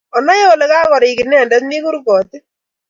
Onai ole kagorik inendet ni kurgotik